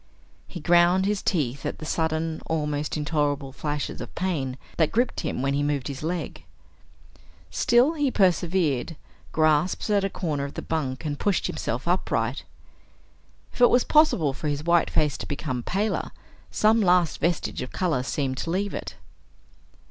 He ground his teeth at the sudden, almost intolerable flashes of pain that gripped him when he moved his leg. Still he persevered, grasped at a corner of the bunk and pushed himself upright. If it was possible for his white face to become paler, some last vestige of color seemed to leave it.